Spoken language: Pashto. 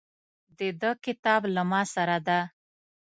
د ده کتاب له ماسره ده.